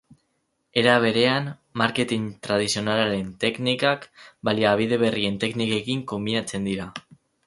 Era berean, marketin tradizionalaren teknikak baliabide berrien teknikekin konbinatzen dira.